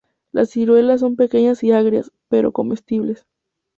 Las ciruelas son pequeñas y agrias, pero comestibles.